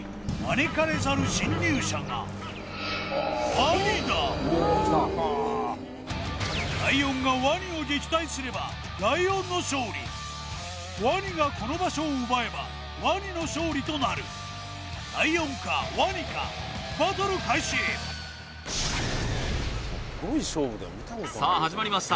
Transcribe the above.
ここはそこにライオンがワニを撃退すればライオンの勝利ワニがこの場所を奪えばワニの勝利となるライオンかワニかバトル開始さあ始まりました